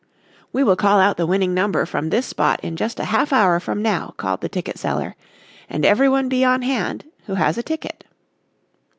"We will call out the winning number from this spot in just a half hour from now," called the ticket seller, "and everyone be on hand who has a ticket."